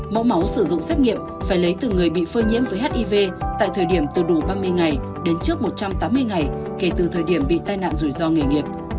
mẫu máu sử dụng xét nghiệm phải lấy từ người bị phơi nhiễm với hiv tại thời điểm từ đủ ba mươi ngày đến trước một trăm tám mươi ngày kể từ thời điểm bị tai nạn rủi ro nghề nghiệp